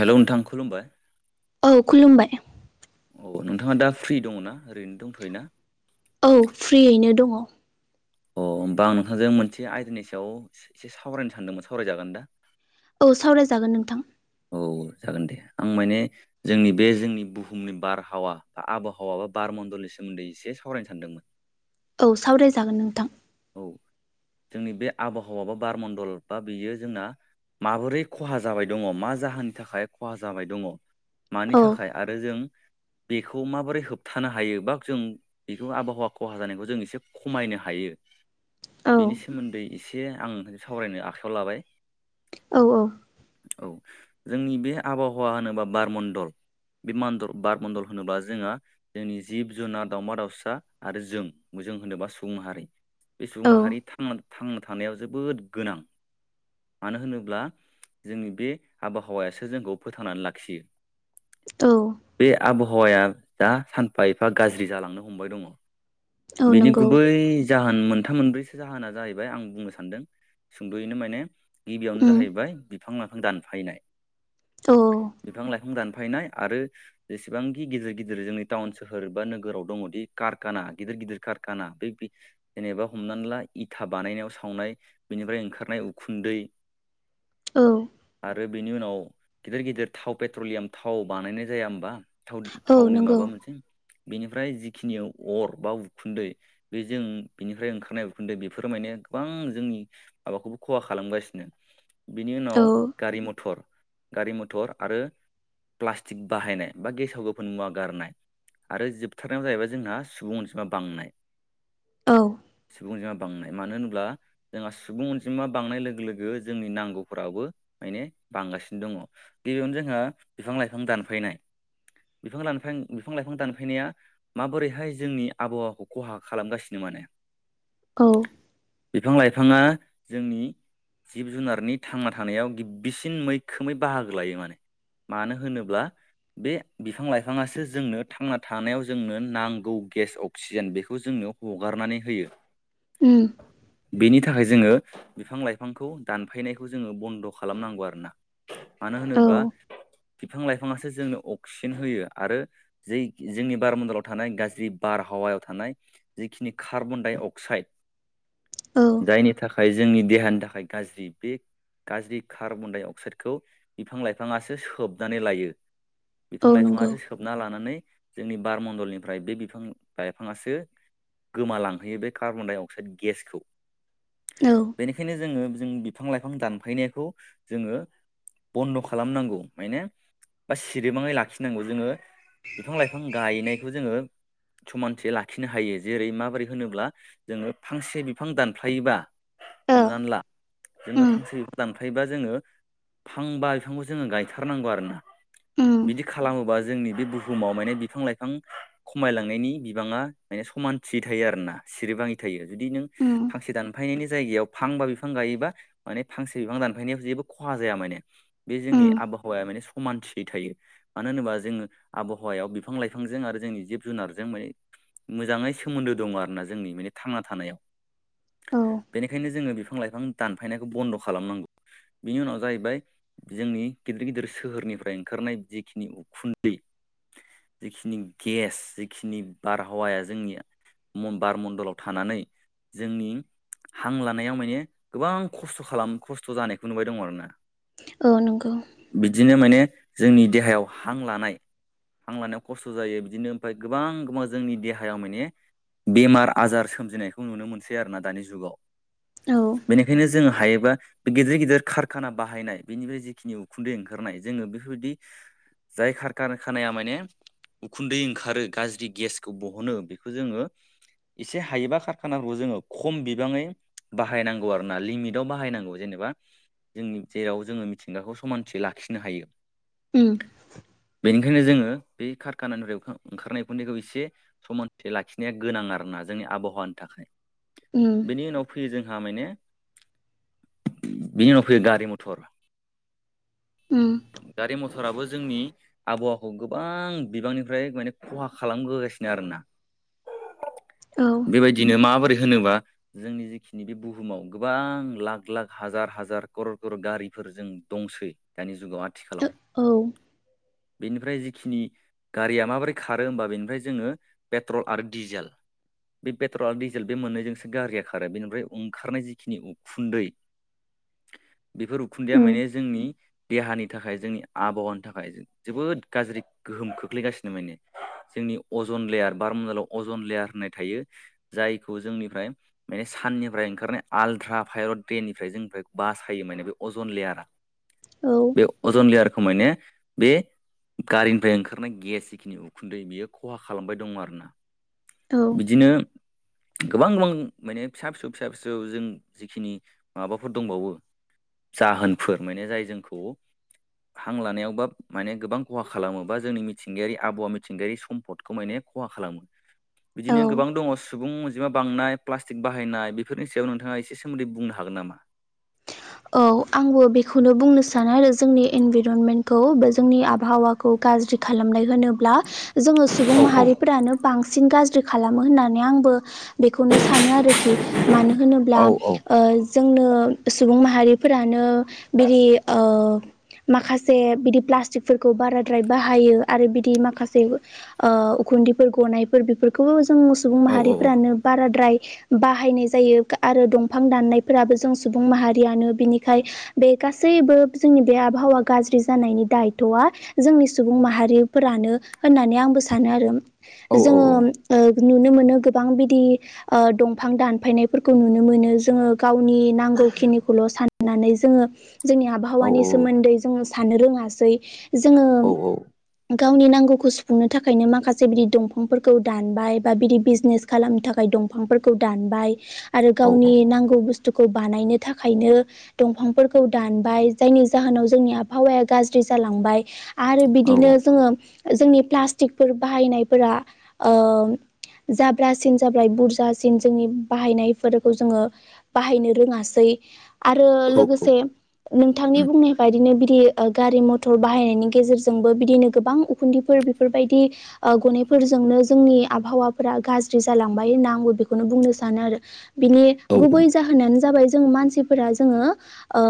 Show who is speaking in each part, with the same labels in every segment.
Speaker 1: हेल' नोथां खुलुमबाय।
Speaker 2: औ खुलुमबाय।
Speaker 1: औ नोंथाङा दा फ्रि दङनाा ओरैनो दंथ'योना।
Speaker 2: औ फ्रियैनो दङ।
Speaker 1: अ होमबा आं नोंथांजों मोनसे आयदानि सायाव एसे सावरायनो सानदोंमोन सावरायजागोन दा।
Speaker 2: औ सावरायजागोन नोंथां।
Speaker 1: औ जागोन दे आं माने जोंनि बे जोंनि बुहुमनि बारहावा आबहावा। बा बार मन्दलनि सोमोन्दै एसे सावरायनो सानदोंमोन।
Speaker 2: औ सावरायजागोन नोंथां।
Speaker 1: औ जोंनि बे आबहावा बा बारमणडल बा बेयो जोंना। माबोरै खहा जाबाय दङ मा जाहोननि थाखाय खहा जाबाय दङ। मानि
Speaker 2: औ
Speaker 1: थाखाय आरो जों। बेखौ माबोरै होबथानो हायो बा जों बेखौ आबहावा खहा जानायखौ जों एसे खमायनो हायो।
Speaker 2: औ
Speaker 1: बेनि सोमोन्दै एसे आं सावरायनो आखायाव लाबाय।
Speaker 2: औ
Speaker 1: औ जोंनि बे आबहावा होनोबा बारमणडल। बे मल बार मन्दल होनोब्ला जोंहा जोंनि जिब जुनार दावउमा दाउसा आरो जों। जों होनोबा सुबुं माहारि बे सुबुं
Speaker 2: औ
Speaker 1: माहारि थांना थानायाव जोबोद गोनां। मानो होनोब्ला जोंनि बे आबहावायासो जोंखौ फोथांनानै लाखियो
Speaker 2: औ
Speaker 1: बे आबहावाया जा सानफा एफा गाज्रि जालांनो हमबाय दङ
Speaker 2: औ
Speaker 1: बिनि
Speaker 2: नंगौ
Speaker 1: गुबै जाहोन मोनथाम मोनब्रैसो जाहोना जाहैबाय आं बुंनो सानदों सुंद'यैनो माने गिबियावनो
Speaker 2: उम
Speaker 1: जाहैबाय बिफां लाइफां दानफायनाय
Speaker 2: औ
Speaker 1: बिफां लाइफां दानफायनाय आरो जेसेबांखि गिदिर गिदिर जोंनि टाउन सोहोर बा नोगोराव दङदि खारखाना गिदिर गिदिर खारखाना बे जेनेबा हमनानै ला इथा बानायनायाव सावनाय बेनिफ्राय ओंखारनाय उखुन्दै
Speaker 2: औ
Speaker 1: आरो बेनि उनाव गिदिर गिदिर थाव पेट्रलियाम थाव बानायनाय जाया होमबा
Speaker 2: औ
Speaker 1: थावनि
Speaker 2: नंगौ
Speaker 1: माबा मोनसे बेनिफ्राय जिखिनि अर बा उखुन्दै बेजों बिनिफ्राय ओंखारनाय बेखुदो बेफोर माने गोबां जोंनि माबाखौबो खहा खालामगासिनो बिनि
Speaker 2: औ
Speaker 1: उनाव गारि मथर गारि मथर आरो प्लास्टिक बाहायनाय बा गेसाव गोफोन मुवा गारनाय आरो जोबथारनायाव जाहैबाय जोंहा सुबुं अनजिमा बांनाय
Speaker 2: औ
Speaker 1: सुबुं अनजिमा बांनाय मानो होन्ला जोंहा सुबुं अनजिमा बांनाय लोगो लोगो जोंनि नांगौफोराबो माने बांगासिनो दङ गिबियावनो जोंहा बिफां लाइफां दानफायनाय बिफां लाइनफां बिफां लाइफां दानफैनाया माबोरैहाय जोंनि आबहावाखौ खहा खालामगासिनो माने
Speaker 2: औ
Speaker 1: बिफां लाइफाङा जोंनि जिब जुनारनि थांना थानायाव गिबिसिन मैखोमै बाहागो लायो माने मानो होनोब्ला बे बिफां लाइफाङासो जोंनो थांना थानायाव जोंनो नांगौ गेस अक्सिजेन बेखौ जोंनो हगारनानै होयो
Speaker 2: उम
Speaker 1: बेनि थाखाय जोङो बिफां लाइफांखौ दानफायनायखौ जोङो बन्द' खालामनांगौ आरोना मानो
Speaker 2: औ
Speaker 1: होनोबा बिफां लाइफाङासो जोंनो अक्सिजेन होयो आरो जे जोंनि बारमन्दलाव थानाय गाज्रि बारहावा थानाय जिखिनि कार्बन डाइ अक्साइद
Speaker 2: औ
Speaker 1: जायनि थाखाय जोंनि देहानि थाखाय गाज्रि बे गाज्रि कार्बन डाइ अक्साइडखौ बिफां लाइफाङासो सोबनानै लायो
Speaker 2: औ
Speaker 1: बिफां
Speaker 2: नंगौ
Speaker 1: लाइफाङासो सोबना लानानै जोंनि बारमण्डलनिफ्राय बे बिफां लाइफाङासो गोमालांहोयो बे कार्बन डाइ अक्साइड गेसखौ
Speaker 2: औ
Speaker 1: बेनिखायनो जोङो जों बिफां लाइफां दानफायनायखौ जोङो बन्द' खालामनांगौ माने बा सिरिबाङै लाखिनांगौ जोङो बिफां लाइफां गायनायखौ जोङो समानथि लाखिनो हायो जेरै माबोरै होनोब्ला जोङो फांसे बिफां दानफ्लायोबा
Speaker 2: ओ
Speaker 1: हमनानै ला जोङो
Speaker 2: उम
Speaker 1: फांसे बिफां दानफायोबा जोङो फांबा बिफांखौ जोङो गायथारनांगौ आरोना
Speaker 2: उम
Speaker 1: बिदि खालामोबा जोंनि बे बुहुमाव माने बिफां लाइफां खमायलांनायनि बिबाङा माने समान थि थायो आरो ना सिरिबाङै थायो जुदि नों
Speaker 2: उम
Speaker 1: फांसे दानफायनायनि जायगायाव फांबा बिफां गायोबा माने फांसे बिफां दानफायनायाव जेबो खहा जाया माने बे जोंनि
Speaker 2: उम
Speaker 1: आब- आबहावाया माने समानथियै थायो। मानो होनोबा जोङो आबहावायाव बिफां-लाइफांजों आरो जोंनि जिब-जुनार जों माने मोजांङै सोमोन्दो दङ आरोना जोंनि माने थांना थानायाव।
Speaker 2: औ
Speaker 1: बेनिखायनो जोंङो बिफां-लाइफां दानफायनायखौ बन्द' खालामनांगौ। बिनि उनाव जाहैबाय जोंनि गिदिर गिदिर सोहोरनिफ्राय ओंखारनाय जिखिनि उखुन्दै जिखिनि गेस जिखिनि बारहावाया जोंनि म-बार मण्डलाव थानानै जोंनि हां लानायाव माने गोबां खस्थ' खालाम खस्थ' जानायखौ नुबाय दं आरो ना।
Speaker 2: औ नंगौ
Speaker 1: बिदिनो माने जोंनि देहायाव हां लानाय हां लानायाव खस्थ' जायो बिदिनो ओमफ्राय गोबां गोबां जोंनि देहायाव माने बेमार आजार सोमजिनायखौ नुनो मोनसै आरोना दानि जुगाव।
Speaker 2: औ
Speaker 1: जों हायोबा बे गिदिर गिदिर खारखाना बाहायनाय बेनिफ्राय जिखिनि उखुन्दै ओंखारनाय जोङो बेफोरबायदि जाय खारका-खानाया माने उखुन्दै ओंखारो गाज्रि गेसखौ बहनो बेखौ जोङो [inaudible] एसे हायोबा खारखानाफोरखौ जोङो खम बिबाङै बाहायनांगौ आरो ना लिमिटाव बाहायनांगौ जेनेबा। जोंनि जेराव जोङो मिथिंगाखौ समानथि लाखिनो हायो।
Speaker 2: उम।
Speaker 1: बेखायनो जोङो बे खारकानानिफ्राय ओंखा-ओंखारनाय उखुन्दैखौ एसे समानथि लाखि- नाया गोनां आरोना जोंनि आबहावानि थाखाय।
Speaker 2: उम
Speaker 1: बेनि उनाव फैयो जों जोंहा माने बिनि उनाव फैयो गारि मथर।
Speaker 2: उम
Speaker 1: गारि मथराबो जोंनि आबहावाखौ गोबां बिबांनिफ्राय माने खहा खालामबोगासिनो आरोना।
Speaker 2: औ
Speaker 1: बेबायदिनो माबोरै होनोबा जोंनि जिखिनि बे बुहुमाव गोबां लाख-लाख, हाजार-हाजार, क'र'र-क'र'र गारिफोर जों दंसै दानि जुगाव आथिखालाव।
Speaker 2: औ
Speaker 1: बेनिफ्राय जिखिनि गारिया माबोरै खारो होमबा बेनिफ्राय जोङो पेट्रल आरो डिजेल। [inaudible] बे पेट्रल आरो डिजेल बे मोननैजोंसो गारिया खारो बेनिफ्राय ओंखारनाय जिखिनि उखुन्दै बेफोर उखुन्दैया
Speaker 2: उम
Speaker 1: माने जोंनि देहानि थाखाय जोंनि आबहावानि थाखाय जोबोद गाज्रि गोहोम खोख्लैगासिनो माने। जोंनि अजन लेयार बार मण्डलाव अजन लेयार होननाय थायो। जायखौ जोंनिफ्राय माने साननिफ्राय ओंखारनाय आलट्रा भाय'लेड देनिफ्राय बासायो माने बे अजन लेयारा।
Speaker 2: औ
Speaker 1: बे अजन लेयारखौ माने बे गारिनिफ्राय ओंखारनाय गेस जिखिनि उखुन्दै बियो खहा खालामबाय दङ' आरो ना।
Speaker 2: औ
Speaker 1: बिदिनो गोबां गोबां माने फिसा-फिसौ फिसा-फिसौ जों जिखिनि माबाफोर दंबावो जाहोनफोर माने जाय जोंखौ हां लानायाव बा माने गोबां खहा खालामो बा जोंनि मिथिंगायारि आबहावा मिथिंगायारि सम्पदखौ माने खहा खालामो। बिदिनो
Speaker 2: औ
Speaker 1: गोबां दङ सुबुं अनजिमा बांनाय, प्लास्टिक बाहायनाय, बेफोरनि सायाव नोंथाङा एसे सोमोन्दै बुंनो हागोन नामा? [inaudible]
Speaker 2: औ आंबो बेखौनो बुंनो सानो आरो जोंनि इनभाइर'नमेन्टखौ बा जोंनि आबहावा- खौ गाज्रि खालामनाय होनोब्ला जोङो सुबुं
Speaker 1: औ औ
Speaker 2: माहारिफोरानो बांसिन गाज्रि खालामो होननानै आंबो बेखौनो सानो आरोखि। मानो होनोब्ला
Speaker 1: औ औ
Speaker 2: ओ जोंनो सुबुं माहारिफोरानो बिदि ओ माखासे बिदि प्लास्टिकफोरखौ बाराद्राय बाहायो आरो बिदि माखासे ओ उखुन्दिफोर गनायफोर बेफोरखौबो जों सुबुं
Speaker 1: औ
Speaker 2: माहारिफोरानो बाराद्राय बाहायनाय जायो आरो दंफां दाननायफोराबो जों सुबुं माहारि बिनिखाय बे गासैबो जोंनि बे आबहावा गाज्रि जानायनि दायथ'आ जों आंनि सुबुं माहारिफोरानो होननानै आंबो सानो आरो
Speaker 1: औ
Speaker 2: जोङो नुनो मोनो गोबां बिदि ओ दंफां दानफायनायफोरखौ नुनो मोनो जोङो गावनि नांगौखिनिखौ खौल' साननानै जोङो जोंनि
Speaker 1: औ
Speaker 2: आबहावानि सोमोन्दै जों साननो रोङासै जोङो
Speaker 1: औ
Speaker 2: गावनि नांगौखौ सुफुंनो थाखायनो माखासे बिदि दंफांफोरखौ दानबाय बा बिदि बिजनेस खालामनो थाखाय दं दंफां फोरखौ दानबाय आरो
Speaker 1: औ
Speaker 2: गावनि नांगौ बुस्तुखौ बानायनो थाखाय थाखायनो दंफांफोरखौ दानबाय जायनि जाहोनाव जोंनि आबहावाया गाज्रि जालांबाय आरो
Speaker 1: औ
Speaker 2: बिदिनो
Speaker 1: उम
Speaker 2: जोङो जोंनि प्लास्टिकफोर बाहायनायफोरा ओ जाब्रासिन जाब्लाय बुरजासिन जोंनि बाहायनायफोरखौ जोङो बाहायनो रोङासै आरो
Speaker 1: औ
Speaker 2: लोगोसे नोंथांनि बुंनाय बायदिनो गारि मथर बाहायनायनि गेजेरजोंबो बिदिनो गोबां उखुन्दैफोर बेफोरबायदि ग नाफोरजोंनो जोंनि आबहावाफोरा गाज्रि जालांबाय होनांगौ बेखौनो बुंनो सानो आरो बिनि
Speaker 1: औ
Speaker 2: गुबै जाहोनानो जाबाय जों मानसिफोरा जोङो ओ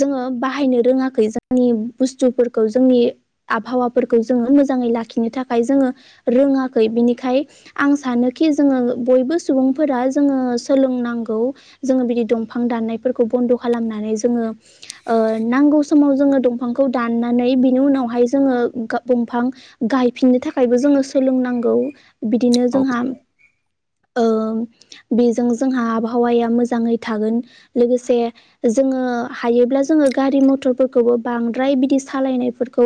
Speaker 2: जोङो बाहायनो रोङाखै जोंनि बुस्थुफोरखौ जोंनि आबहावाफोरखौ जोङो मो जाङै लाखिनो थाखाय जोङो रोङाखै बिनिखायनो आं सानोखि जोङो बयबो सुबुं फोरा जोङो सोलों नांगौ जोङो बि दंफां दाननाय फोरखौ बन्द खालामनानै जोङो ओ नांगौ समाव जोङो दंफांखौ दानना नै बिनि उनावहाय जोङो दंफां गायफिननो थाखायबो जोङो सोलोंनांगौ बिदिनो जोंहा ओ बेजों जोंहा आबहावाया मोजाङै थागोन लोगोसे जोङो हायोब्ला जोङो गारि मथरफोरखौबो बांद्राय बिदि सालायनायफोरखौ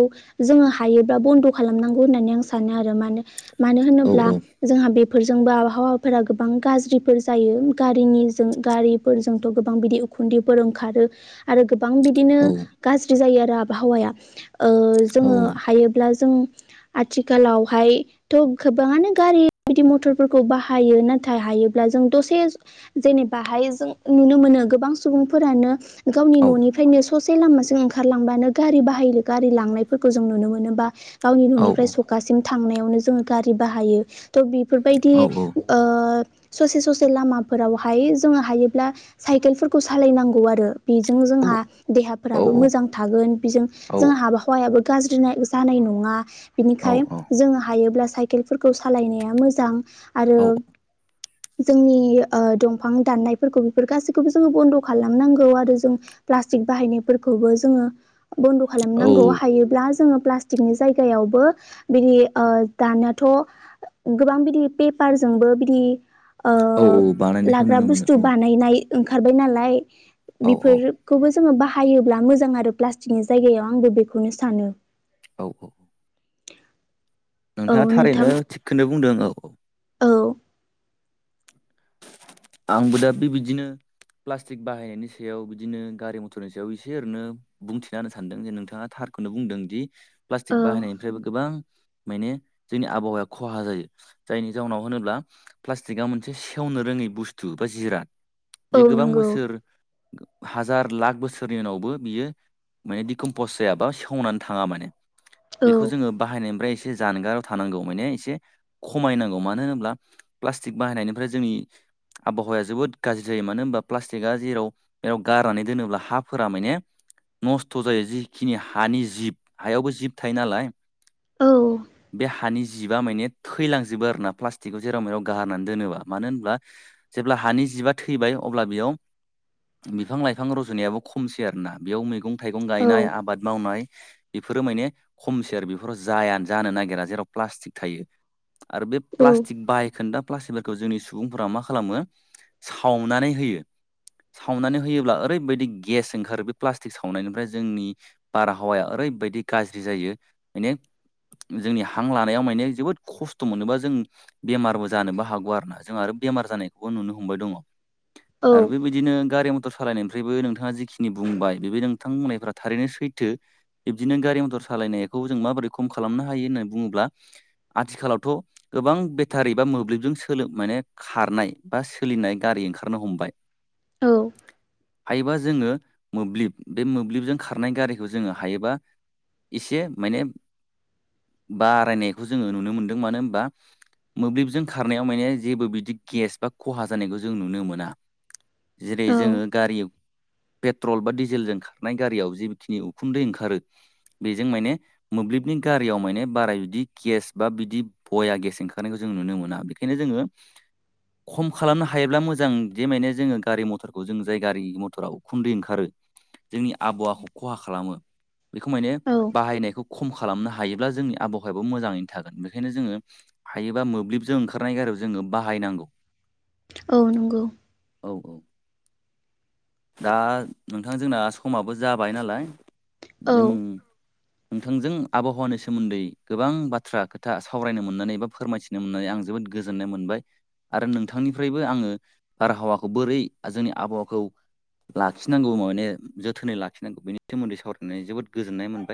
Speaker 2: जोङो हायोब्लाा बन्द' खालामनांगौ होननानै आं सानो आरो मानो मानो होनोब्ला जोंहा बेफोर जोंबो आबहावाफोरा गोबां गाज्रिफोर जायो गारिनि जों गारि जोंथ' गोबां बिदि उखुन्दैफोर ओंखारो आरो गोबां बिदिनो गाज्रि जायो आरो आब आबहावाया ओ जोङो हायोब्ला जों आथिखालावहायथ' थ गोबाङानो गारि बिदि मथरफोरखौ बाहायो नाथाय हायोब्ला जों दसे जेनेबाहाय जों नुनो मोनो गोबां सुबुंफोरानो गावनि न'निफ्रायनो स ससे लामाजों ओंखारलांबानो गारि बाहायनो गारि लांनायफोरखौ जों नुनो मोनोबा गावनि न'निफ्राय सखाासिम थांनायावनो जोङो गारि बाहायो थ' बेफोरबायदि ओ ससे ससे लामाफोरावहाय जोङो हायो ब्ला साइकेलफोरखौ सालायनांगौ आरो बेजों जोंहा देहाफोराबो मोजां थागोन बिजों जों आबहावायाबो गाज्रि जानाय नङा बिनिखाय जोङो हायोब्ला साइकेलफोरखौ सालायनाया मोजां आरो जोंनि ओ दंफां दाननाय बेफोर गासैखौबो जोङो बन्द खालामनांगौ आरो जोंङो प्लास्टिक बाहायनायफोरखौबो जोङो बन्द'
Speaker 1: औ
Speaker 2: खालामनांगौ हायोब्ला जोङो प्लास्टिक नि जायगायावबो बिदि दानियाथ गोबां बिदि पेपारजों जोंबो बिदि
Speaker 1: औ औ बानायनायखौ नुनो मोनो
Speaker 2: बथु
Speaker 1: औ
Speaker 2: बानायनाय ओंखारबाय नालाय
Speaker 1: औ औ
Speaker 2: बेफोरखौबो जों बा फायोब्ला मोजां आरो प्लास्टिकनि जायगायाव आंबो बेखौनो सानो।
Speaker 1: औ औ औ
Speaker 2: औ
Speaker 1: नोंथाङा
Speaker 2: नोंथां
Speaker 1: थारैनो थिगखौनो बुंदों औ
Speaker 2: औ
Speaker 1: आंबो दा बेबायदिनो प्लास्टिक बाहायनायनि सायाव बिदिनो गारि मथरनि सायाव एसे ओरैनो बुंथिना होनो सानदों जे नोंथाङा थार खौनो बुंदों दि प्लास्टिक
Speaker 2: औ
Speaker 1: बाहायनायनिफ्रायबो गोबां माने जोंनि आबहावाया खहा जायो जायनि जाहनाव होनोब्ला प्लास्टिकआ मोनसे सेवनो रोङै बुस्थु बा जिराद बे
Speaker 2: औ
Speaker 1: गोबां
Speaker 2: नंगौ
Speaker 1: बोसोर हाजार लाख बोसोरनि उनावबो बियो माने दिडिकमपस जायाबा सेवनानै थाङा माने
Speaker 2: औ
Speaker 1: बेखौ जोङो बाहायनायनिफ्राय इसे जानगाराव थानांगौ माने इसे खमायनांगौ मानो होनोब्ला प्लास्टिक बाहायनायनिफ्राय जोंनि आबहावाया जोबोद गाज्रि जायो मानो होनबा प्लास्टिकआ जेराव जेराव गारनानै दोनोब्ला हाफोरा माने नस्थ' जायो जिखिनि हानि जिब हायावबो जिब थायो नालाय
Speaker 2: औ
Speaker 1: बे हानि जिबा माने थैलांजोबो आरोना प्लास्टिकखौ जेराव मेराव गारनानै दोनोबा। मानो होनब्ला जेब्ला हानि जिबआ थैबाय अब्ला बेयाव बिफां लाइफां रजुनायाबो खमसै आरोना बेयाव मैगं थाइगं
Speaker 2: औ
Speaker 1: गायनाय आबाद मावनाय बेफोरो माने खम सेर बेफोराव जाया जानो नागिरा जेराव प्लास्टिक थायो। आरो बे प्लास्टिक बायखोनदा प्लास्टिक खौ जोंनि सुबुंफोरा मा खालामो सावनानै होयो। सावनानै होयोब्ला ओरैबायदि गेस ओंखारो बे प्लास्टिक सावनायनिफ्राय जोंनि बारहावाया ओरै ओरैबायदि गाज्रि जायो माने जोंनि हां लानायाव माने जोबोद खस्थ' मोनोबा जों बेमारबो जानोबो हागौ आरो जोंहा आरो बेमार जानायखबो नुनो हमबाय दङ
Speaker 2: औ
Speaker 1: आरो बेबायदिनो गारि मटर सालाइनाय ओमफ्रायबो नोंथाङा जिखिनि बुंबाय बेबो नोंथांबुंनायफ्रा थारैनो सैथो बिब्दिनो गारि मथर सालायनाय खौ जों माबोरै खम खालामनो हायो होननानै बुङोब्ला आथिखालावथ' गोबां बेटारि बा मोब्लिबजों सो सोलो माने खारनाय बा सोलिनाय गारि ओंखारनो हमबाय।
Speaker 2: औ
Speaker 1: हायोबा जोङो मोब्लिब बे मोब्लिबजों खारनाय गारिखौ जोङो हायोबा इसे माने बा आरायनायखौ जोङो नुनो मोन्दों मानो होनबा मोब्लिबजों खा खारनायाव माने जेबो बिदि गेस बा खहा जानायखौ जों नुनो मोना। जेरै
Speaker 2: औ
Speaker 1: जोङो गारि पेट्रल बा डिजेलजों खारनाय गारियाव जिखिनि उखुन्दै ओंखारो बेजों माने मोब्लिबनि गारियाव माने बारा बिदि गेस बा बिदि भया गेस ओंखारनायखौ जों जों नुनो मोना बेनिखायनो जोङो खम खालामनो हायोब्ला मोजां जे माने जोङो गारि मथरखौ जों जाय गारि मथरा उखुन्दै ओंखारो जोंनि आबहावाखौ खहा खालामो बेखौ माने
Speaker 2: औ
Speaker 1: बाहायनायखौ खम खा खालामनो हायोब्ला जोंनि आबहावायाबो मोजाङैनो थागोन बेनिखायनो जोङो हायोबा मोब्लिबजों ओंखा खारनाय गारियाव जोङो बाहायनांगौ।
Speaker 2: औ नोंगौ
Speaker 1: औ [inaudible] दा नोंथां जोंना समाबो जाबाय नालाय जों
Speaker 2: औ
Speaker 1: नोंथांजों आबहावानि सोमोन्दै गोबां बाथ्रा खोथा सावरायनो मोननानै बा फोरमायथिनो मोननानै आं जोबोद गोजोननाय मोनबाय आरो नोंथांनिफ्रायबो आङो बारहावाखौ बोरै जोंनि आबहावाखौ लाखिनांगौ माने जोथोनै लाखिनांगौ बिनि सोमोनदै सावरायनानै जोबोद गोजोननाय मोनबाय।